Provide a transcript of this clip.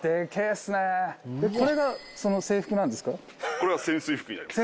これは潜水服になります。